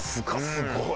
すごい。